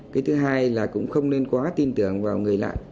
cái thứ hai là cũng không nên quá tin tưởng vào người lạ